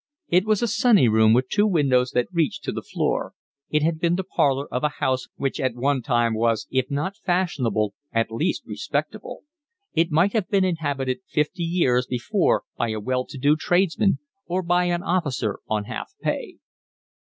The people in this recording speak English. It was a sunny room with two windows that reached to the floor; it had been the parlour of a house which at one time was if not fashionable at least respectable: it might have been inhabited fifty years before by a well to do tradesman or an officer on half pay.